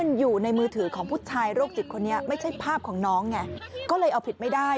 ลูกจิตคนนี้ไม่ใช่ภาพของน้องไงก็เลยออกผลิตไม่ได้